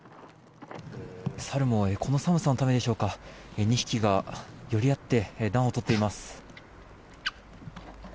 サルもこの寒さのためでしょうか２匹が寄り合って暖をとっています。